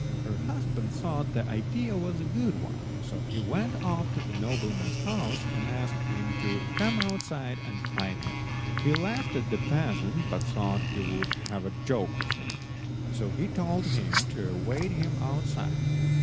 Her husband thought the idea was a good one, so he went off to the nobleman's house and asked him to come outside and fight him. He laughed at the peasant, but thought he would have a joke with him, so he told him to await him outside.